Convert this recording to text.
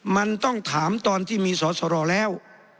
มันต้องถามตอนที่มีสอสรแล้ว